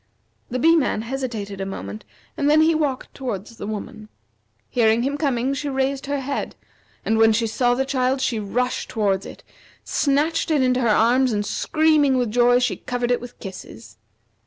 The Bee man hesitated a moment, and then he walked toward the woman. Hearing him coming, she raised her head, and when she saw the child she rushed towards it, snatched it into her arms, and screaming with joy she covered it with kisses.